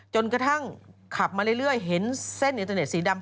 กระทั่งขับมาเรื่อยเห็นเส้นอินเทอร์เน็ตสีดำ